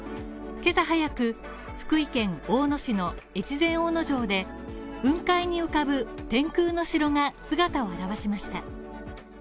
けさ早く、福井県大野市の越前大野城で雲海に浮かぶ天空の城が姿をあらわしました。